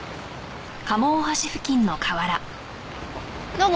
どうも。